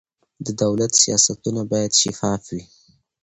د دولت سیاستونه باید شفاف وي